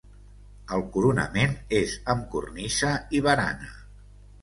El coronament és amb cornisa i barana.